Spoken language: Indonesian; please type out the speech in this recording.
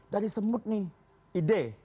dari semut nih ide